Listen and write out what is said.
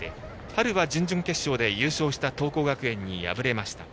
春は準々決勝で優勝した桐光学園に敗れました。